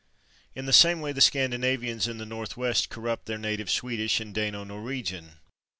In the same way the Scandinavians in the Northwest corrupt their native Swedish and Dano Norwegian.